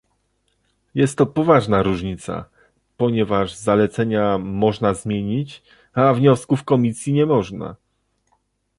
Jest to poważna różnica, ponieważ zalecenia można zmienić, a wniosków Komisji nie można